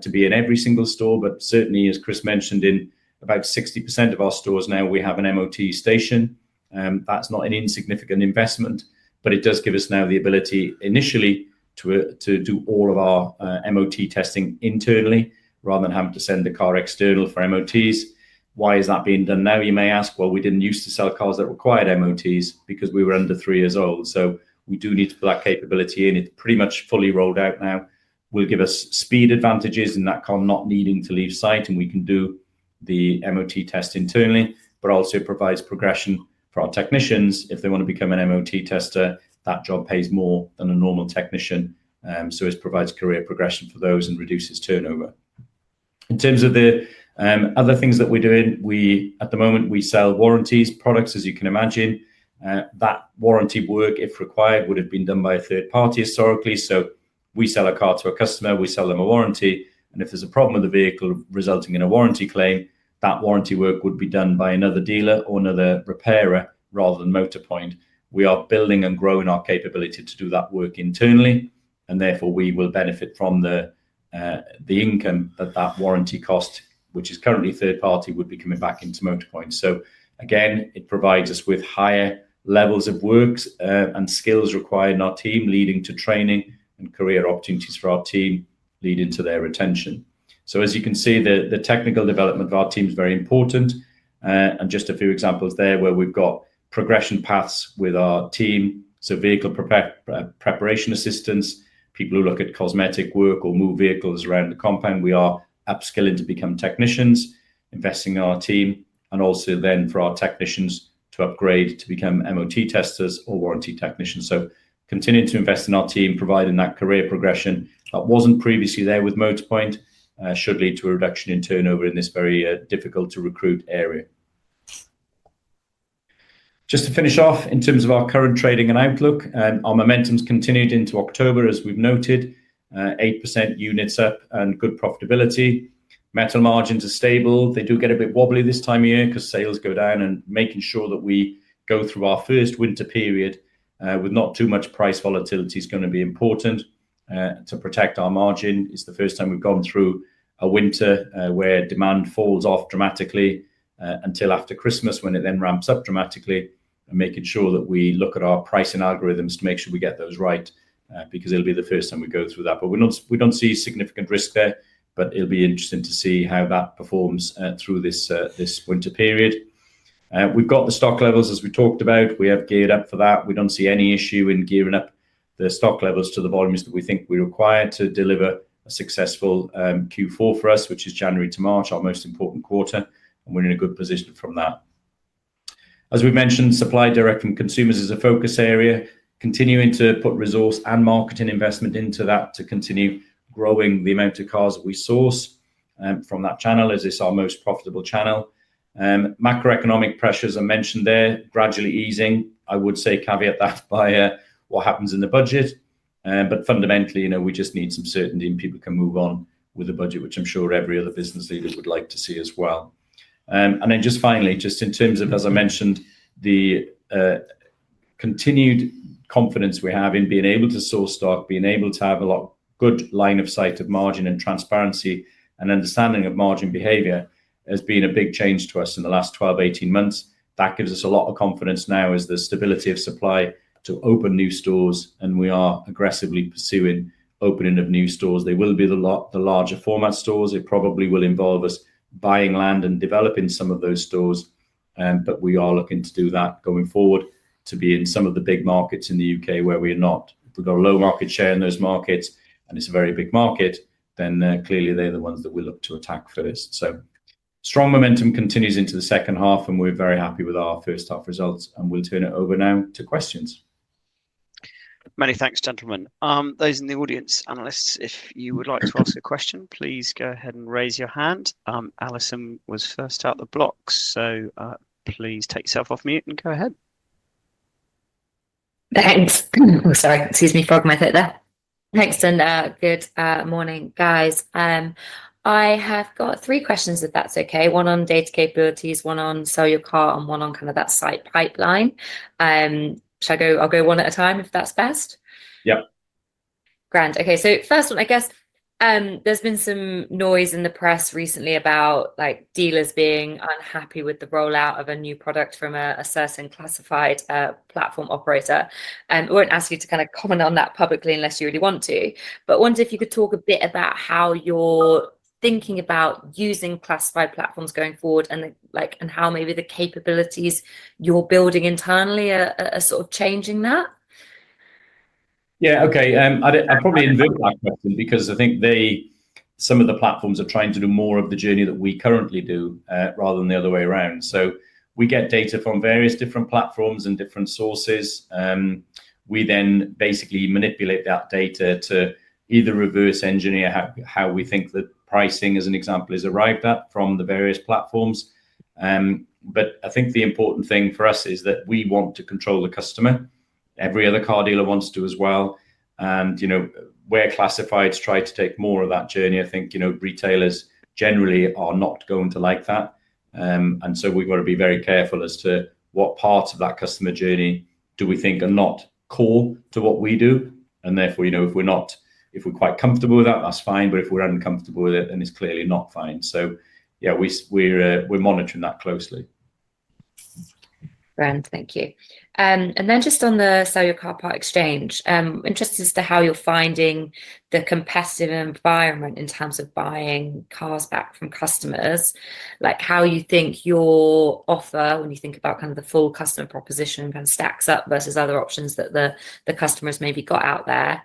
to be in every single store. Certainly, as Chris mentioned, in about 60% of our stores now, we have an MOT station. That is not an insignificant investment, but it does give us now the ability initially to do all of our MOT testing internally rather than having to send the car external for MOTs. You may ask, "Why is that being done now?" We did not used to sell cars that required MOTs because we were under three years old. We do need to put that capability in. It is pretty much fully rolled out now. We'll give us speed advantages in that car not needing to leave site, and we can do the MOT test internally, but also provides progression for our technicians. If they want to become an MOT tester, that job pays more than a normal technician. It provides career progression for those and reduces turnover. In terms of the other things that we're doing, at the moment, we sell warranty products, as you can imagine. That warranty work, if required, would have been done by a third party historically. We sell a car to a customer. We sell them a warranty. If there's a problem with the vehicle resulting in a warranty claim, that warranty work would be done by another dealer or another repairer rather than Motorpoint. We are building and growing our capability to do that work internally. Therefore, we will benefit from the income that that warranty cost, which is currently third party, would be coming back into Motorpoint. It provides us with higher levels of work and skills required in our team, leading to training and career opportunities for our team, leading to their retention. As you can see, the technical development of our team is very important. Just a few examples there where we've got progression paths with our team. Vehicle preparation assistants, people who look at cosmetic work or move vehicles around the compound, we are upskilling to become technicians, investing in our team, and also then for our technicians to upgrade to become MOT testers or warranty technicians. Continuing to invest in our team, providing that career progression that was not previously there with Motorpoint should lead to a reduction in turnover in this very difficult-to-recruit area. Just to finish off, in terms of our current trading and outlook, our momentum has continued into October, as we've noted, 8% units up and good profitability. Metal margins are stable. They do get a bit wobbly this time of year because sales go down. Making sure that we go through our first winter period with not too much price volatility is going to be important to protect our margin. It is the first time we've gone through a winter where demand falls off dramatically until after Christmas when it then ramps up dramatically. Making sure that we look at our pricing algorithms to make sure we get those right because it will be the first time we go through that. We do not see significant risk there, but it will be interesting to see how that performs through this winter period. We've got the stock levels, as we talked about. We have geared up for that. We do not see any issue in gearing up the stock levels to the volumes that we think we require to deliver a successful Q4 for us, which is January to March, our most important quarter. We are in a good position from that. As we mentioned, supply direct from consumers is a focus area. Continuing to put resource and marketing investment into that to continue growing the amount of cars that we source from that channel, as it is our most profitable channel. Macroeconomic pressures are mentioned there, gradually easing. I would say caveat that by what happens in the budget. Fundamentally, we just need some certainty and people can move on with the budget, which I am sure every other business leader would like to see as well. Just finally, in terms of, as I mentioned, the continued confidence we have in being able to source stock, being able to have a good line of sight of margin and transparency and understanding of margin behavior has been a big change to us in the last 12-18 months. That gives us a lot of confidence now as the stability of supply to open new stores. We are aggressively pursuing opening of new stores. They will be the larger format stores. It probably will involve us buying land and developing some of those stores. We are looking to do that going forward to be in some of the big markets in the U.K. where we are not. If we have got a low market share in those markets and it is a very big market, then clearly they are the ones that we look to attack first. Strong momentum continues into the second half, and we're very happy with our first half results. We'll turn it over now to questions. Many thanks, gentlemen. Those in the audience, analysts, if you would like to ask a question, please go ahead and raise your hand. Alison was first out of the bloc, so please take yourself off mute and go ahead. Thanks. Sorry, excuse me for augmenting that. Thanks. Good morning, guys. I have got three questions, if that's okay. One on data capabilities, one on sell your car, and one on kind of that site pipeline. Shall I go one at a time if that's best? Yep. Grand. Okay. First one, I guess there's been some noise in the press recently about dealers being unhappy with the rollout of a new product from a certain classified platform operator. I won't ask you to kind of comment on that publicly unless you really want to. I wonder if you could talk a bit about how you're thinking about using classified platforms going forward and how maybe the capabilities you're building internally are sort of changing that. Yeah. Okay. I'll probably invoke that question because I think some of the platforms are trying to do more of the journey that we currently do rather than the other way around. We get data from various different platforms and different sources. We then basically manipulate that data to either reverse engineer how we think the pricing, as an example, has arrived at from the various platforms. I think the important thing for us is that we want to control the customer. Every other car dealer wants to as well. Where classifieds try to take more of that journey, I think retailers generally are not going to like that. We have to be very careful as to what parts of that customer journey do we think are not core to what we do. Therefore, if we are quite comfortable with that, that is fine. If we are uncomfortable with it, then it is clearly not fine. We are monitoring that closely. Grand. Thank you. Just on the Sell Your Car Part-Exchange, I'm interested as to how you're finding the competitive environment in terms of buying cars back from customers, like how you think your offer, when you think about kind of the full customer proposition, kind of stacks up versus other options that the customers maybe got out there,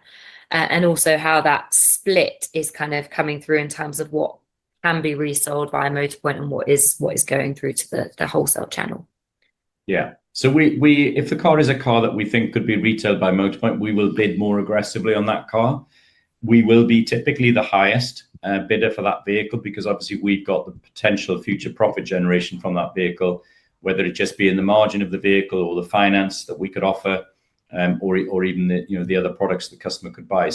and also how that split is kind of coming through in terms of what can be resold via Motorpoint and what is going through to the wholesale channel. Yeah. If the car is a car that we think could be retailed by Motorpoint, we will bid more aggressively on that car. We will be typically the highest bidder for that vehicle because obviously we've got the potential future profit generation from that vehicle, whether it just be in the margin of the vehicle or the finance that we could offer or even the other products the customer could buy.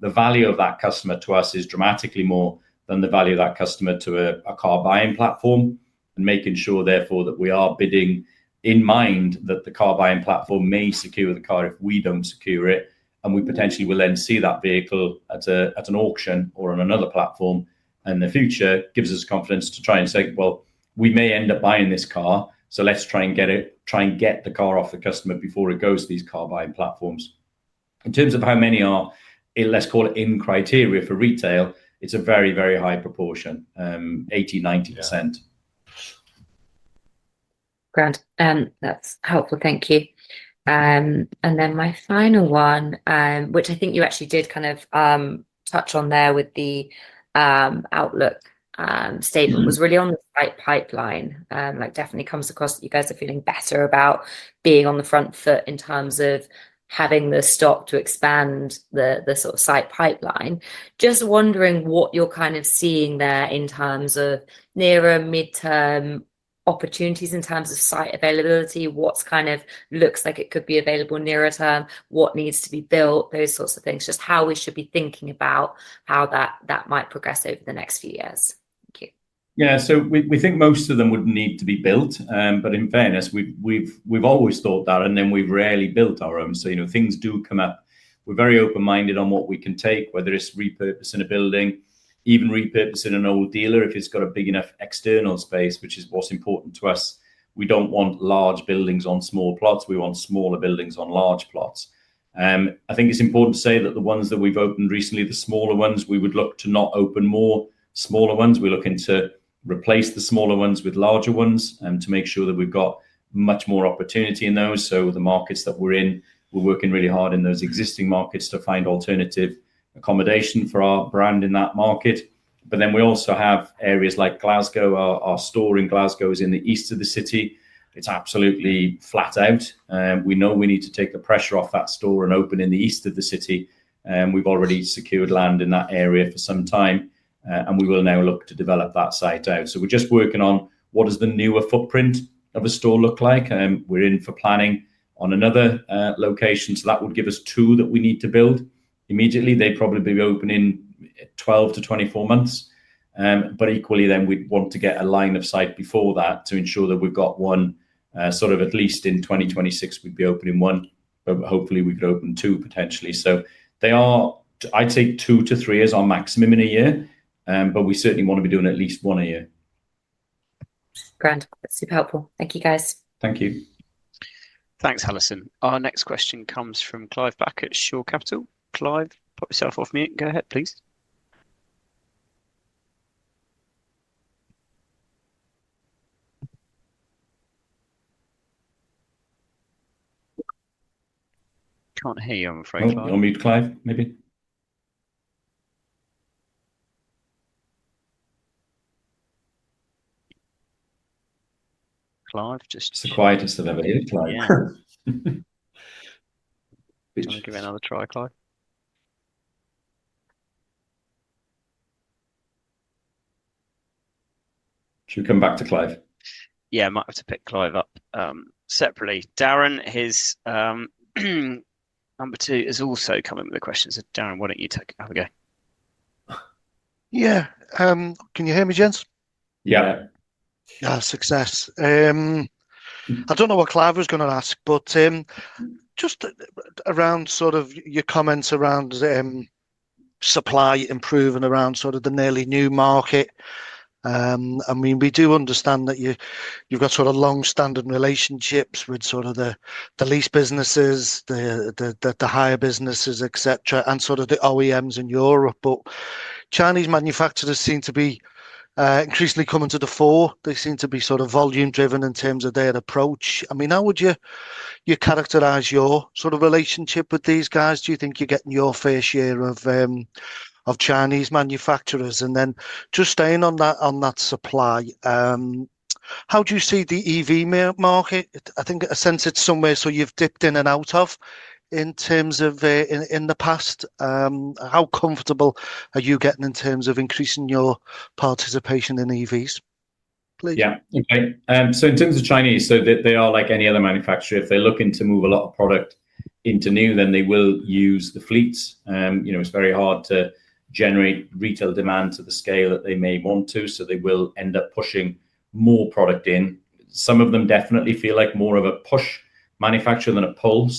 The value of that customer to us is dramatically more than the value of that customer to a car buying platform and making sure, therefore, that we are bidding in mind that the car buying platform may secure the car if we don't secure it. We potentially will then see that vehicle at an auction or on another platform in the future. It gives us confidence to try and say, "Well, we may end up buying this car, so let's try and get the car off the customer before it goes to these car buying platforms." In terms of how many are, let's call it, in criteria for retail, it's a very, very high proportion, 80-90%. Grand. That's helpful. Thank you. My final one, which I think you actually did kind of touch on there with the outlook statement, was really on the site pipeline. It definitely comes across that you guys are feeling better about being on the front foot in terms of having the stock to expand the sort of site pipeline. Just wondering what you're kind of seeing there in terms of nearer midterm opportunities in terms of site availability, what kind of looks like it could be available nearer term, what needs to be built, those sorts of things, just how we should be thinking about how that might progress over the next few years. Thank you. Yeah. We think most of them would need to be built. In fairness, we've always thought that, and then we've rarely built our own. Things do come up. We're very open-minded on what we can take, whether it's repurposing a building, even repurposing an old dealer if it's got a big enough external space, which is what's important to us. We don't want large buildings on small plots. We want smaller buildings on large plots. I think it's important to say that the ones that we've opened recently, the smaller ones, we would look to not open more smaller ones. We're looking to replace the smaller ones with larger ones and to make sure that we've got much more opportunity in those. The markets that we're in, we're working really hard in those existing markets to find alternative accommodation for our brand in that market. We also have areas like Glasgow. Our store in Glasgow is in the east of the city. It's absolutely flat out. We know we need to take the pressure off that store and open in the east of the city. We've already secured land in that area for some time, and we will now look to develop that site out. We're just working on what does the newer footprint of a store look like. We're in for planning on another location. That would give us two that we need to build immediately. They'd probably be open in 12-24 months. Equally, then we'd want to get a line of sight before that to ensure that we've got one sort of at least in 2026, we'd be opening one, but hopefully we could open two potentially. I'd say two to three is our maximum in a year, but we certainly want to be doing at least one a year. Grand. That's super helpful. Thank you, guys. Thank you. Thanks, Alison. Our next question comes from Clive Back at Shore Capital. Clive, pop yourself off mute. Go ahead, please. Can't hear you, I'm afraid. You want me to close maybe? Clive just. It's the quietest I've ever heard, Clive. Yeah. Give me another try, Clive. Should we come back to Clive? Yeah, I might have to pick Clive up separately. Darren is number two, is also coming with a question. Darren, why don't you take it? Have a go. Yeah. Can you hear me, gents? Yeah. Yeah. Success. I don't know what Clive was going to ask, but just around sort of your comments around supply improving around sort of the nearly new market. I mean, we do understand that you've got sort of long-standing relationships with sort of the lease businesses, the hire businesses, etc., and sort of the OEMs in Europe. But Chinese manufacturers seem to be increasingly coming to the fore. They seem to be sort of volume-driven in terms of their approach. I mean, how would you characterize your sort of relationship with these guys? Do you think you're getting your fair share of Chinese manufacturers? Just staying on that supply, how do you see the EV market? I think I sensed it somewhere. You have dipped in and out of in terms of in the past. How comfortable are you getting in terms of increasing your participation in EVs, please? Yeah. Okay. In terms of Chinese, they are like any other manufacturer. If they are looking to move a lot of product into new, then they will use the fleets. It is very hard to generate retail demand to the scale that they may want to. They will end up pushing more product in. Some of them definitely feel like more of a push manufacturer than a pull.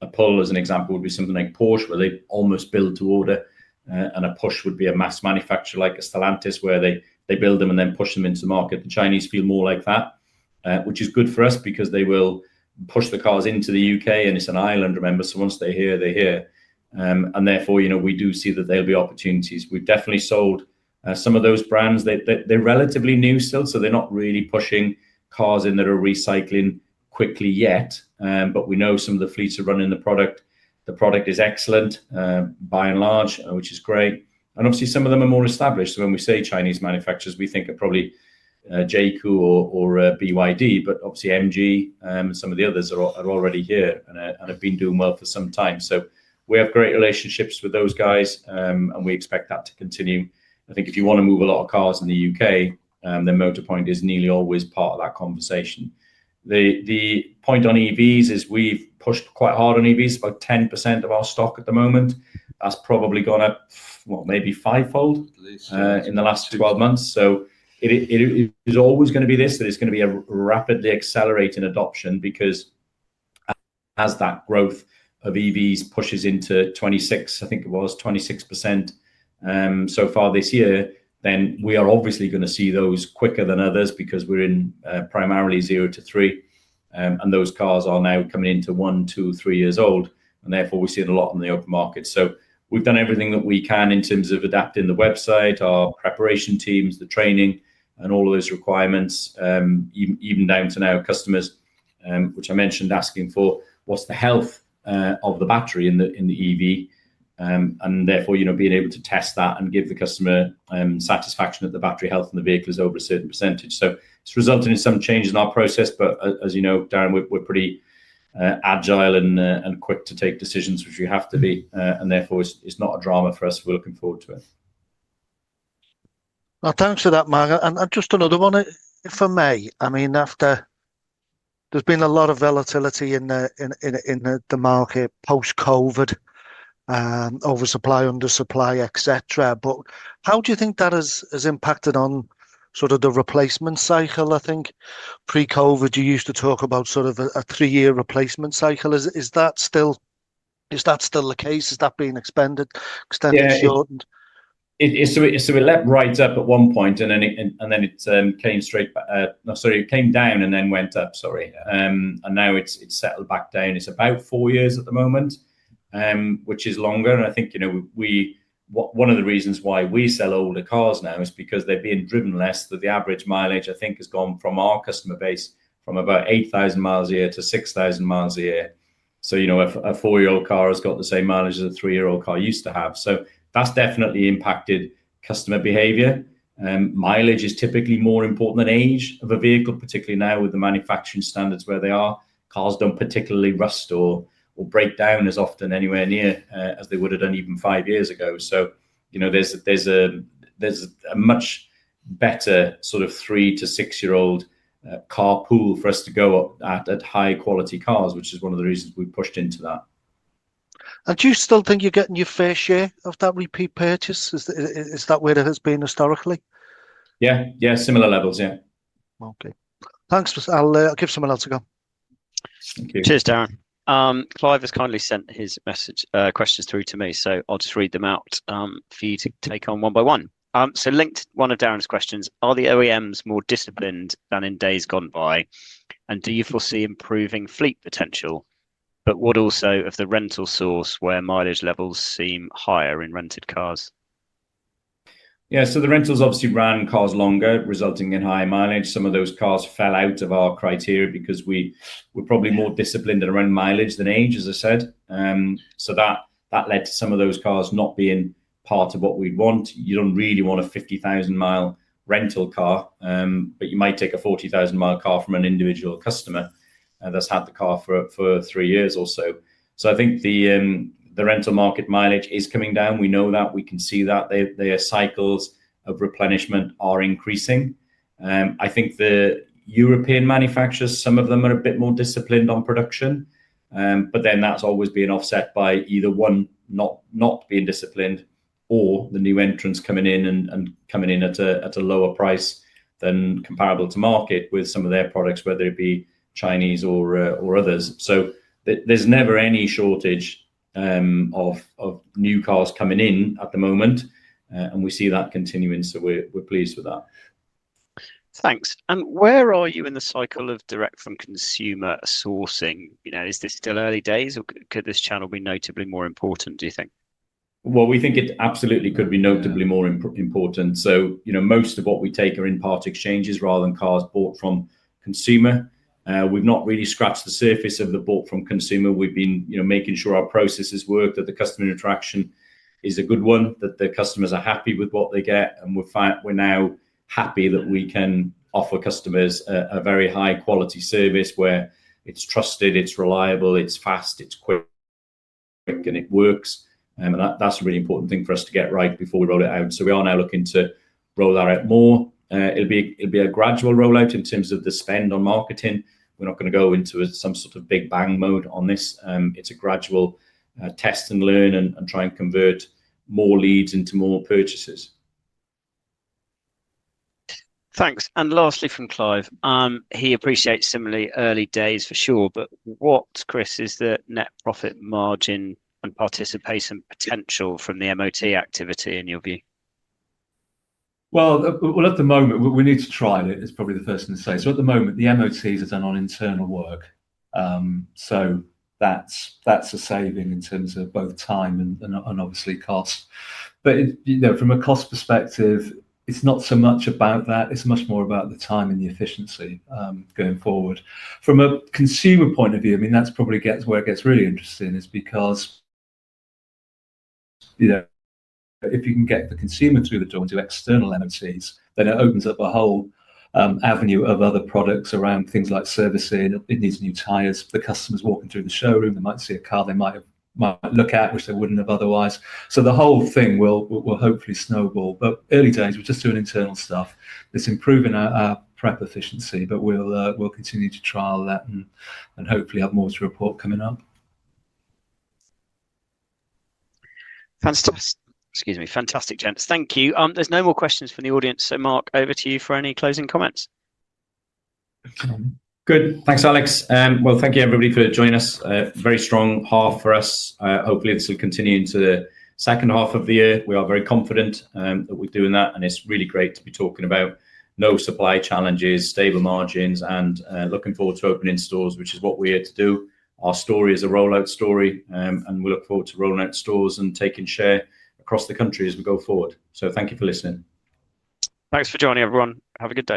A pull, as an example, would be something like Porsche, where they almost build to order. A push would be a mass manufacturer like Stellantis, where they build them and then push them into the market. The Chinese feel more like that, which is good for us because they will push the cars into the U.K., and it is an island. Remember, once they are here, they are here. Therefore, we do see that there will be opportunities. We have definitely sold some of those brands. They are relatively new still, so they are not really pushing cars in that are recycling quickly yet. We know some of the fleets are running the product. The product is excellent by and large, which is great. Obviously, some of them are more established. When we say Chinese manufacturers, we think of probably JAC or BYD, but obviously MG and some of the others are already here and have been doing well for some time. We have great relationships with those guys, and we expect that to continue. I think if you want to move a lot of cars in the U.K., then Motorpoint is nearly always part of that conversation. The point on EVs is we've pushed quite hard on EVs, about 10% of our stock at the moment. That's probably gone up, maybe fivefold in the last 12 months. It is always going to be this. There's going to be a rapidly accelerating adoption because as that growth of EVs pushes into 2026, I think it was 26% so far this year, then we are obviously going to see those quicker than others because we're in primarily zero to three. Those cars are now coming into one, two, three years old. Therefore, we're seeing a lot in the open market. We've done everything that we can in terms of adapting the website, our preparation teams, the training, and all of those requirements, even down to now customers, which I mentioned, asking for what's the health of the battery in the EV. Therefore, being able to test that and give the customer satisfaction that the battery health and the vehicle is over a certain percentage. It has resulted in some changes in our process. As you know, Darren, we're pretty agile and quick to take decisions, which we have to be. Therefore, it's not a drama for us. We're looking forward to it. Thanks for that, Mark. Just another one for me. I mean, there's been a lot of volatility in the market post-COVID, oversupply, undersupply, etc. How do you think that has impacted on sort of the replacement cycle? I think pre-COVID, you used to talk about sort of a three-year replacement cycle. Is that still the case? Is that being extended? Yeah. It let rise up at one point, and then it came straight back. Sorry, it came down and then went up. Sorry. Now it has settled back down. It is about four years at the moment, which is longer. I think one of the reasons why we sell older cars now is because they are being driven less. The average mileage, I think, has gone from our customer base from about 8,000 miles a year to 6,000 miles a year. A four-year-old car has got the same mileage as a three-year-old car used to have. That has definitely impacted customer behavior. Mileage is typically more important than age of a vehicle, particularly now with the manufacturing standards where they are. Cars do not particularly rust or break down as often anywhere near as they would have done even five years ago. There is a much better sort of three- to six-year-old car pool for us to go at, high-quality cars, which is one of the reasons we pushed into that. Do you still think you are getting your fair share of that repeat purchase? Is that where it has been historically? Yeah. Yeah. Similar levels. Yeah. Okay. Thanks. I will give someone else a go. Thank you. Cheers, Darren. Clive has kindly sent his questions through to me, so I will just read them out for you to take on one by one. Linked to one of Darren's questions, are the OEMs more disciplined than in days gone by? Do you foresee improving fleet potential, but also of the rental source where mileage levels seem higher in rented cars? Yeah. The rentals obviously ran cars longer, resulting in higher mileage. Some of those cars fell out of our criteria because we're probably more disciplined around mileage than age, as I said. That led to some of those cars not being part of what we'd want. You don't really want a 50,000-mi rental car, but you might take a 40,000-mi car from an individual customer that's had the car for three years or so. I think the rental market mileage is coming down. We know that. We can see that their cycles of replenishment are increasing. I think the European manufacturers, some of them are a bit more disciplined on production, but then that's always being offset by either one not being disciplined or the new entrants coming in and coming in at a lower price than comparable to market with some of their products, whether it be Chinese or others. There is never any shortage of new cars coming in at the moment, and we see that continuing. We are pleased with that. Thanks. Where are you in the cycle of direct from consumer sourcing? Is this still early days, or could this channel be notably more important, do you think? We think it absolutely could be notably more important. Most of what we take are in-part exchanges rather than cars bought from consumer. We have not really scratched the surface of the bought from consumer. We've been making sure our processes work, that the customer interaction is a good one, that the customers are happy with what they get. We are now happy that we can offer customers a very high-quality service where it's trusted, it's reliable, it's fast, it's quick, and it works. That's a really important thing for us to get right before we roll it out. We are now looking to roll that out more. It'll be a gradual rollout in terms of the spend on marketing. We're not going to go into some sort of big bang mode on this. It's a gradual test and learn and try and convert more leads into more purchases. Thanks. Lastly from Clive, he appreciates similarly early days for sure. What, Chris, is the net profit margin and participation potential from the MOT activity in your view? At the moment, we need to try it. It's probably the first thing to say. At the moment, the MOTs are done on internal work. That's a saving in terms of both time and obviously cost. From a cost perspective, it's not so much about that. It's much more about the time and the efficiency going forward. From a consumer point of view, I mean, that's probably where it gets really interesting because if you can get the consumer through the door and do external MOTs, then it opens up a whole avenue of other products around things like servicing. It needs new tires. The customer's walking through the showroom. They might see a car they might look at, which they wouldn't have otherwise. The whole thing will hopefully snowball. Early days, we're just doing internal stuff. It's improving our prep efficiency, but we'll continue to trial that and hopefully have more to report coming up. Excuse me. Fantastic, gents. Thank you. There's no more questions from the audience. Mark, over to you for any closing comments. Good. Thanks, Alex. Thank you, everybody, for joining us. Very strong half for us. Hopefully, this will continue into the second half of the year. We are very confident that we're doing that, and it's really great to be talking about no supply challenges, stable margins, and looking forward to opening stores, which is what we're here to do. Our story is a rollout story, and we look forward to rolling out stores and taking share across the country as we go forward. Thank you for listening. Thanks for joining, everyone. Have a good day.